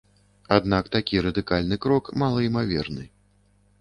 Аднак такі радыкальны крок малаімаверны.